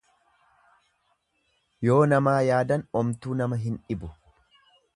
Yoo namaa yaadan omtuu nama hin dhibu.